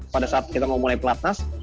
pada saat kita mau mulai platnas